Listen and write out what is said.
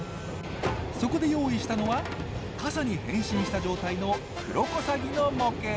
そこで用意したのは傘に変身した状態のクロコサギの模型！